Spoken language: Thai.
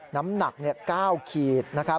น้ำหนัก๙ขีด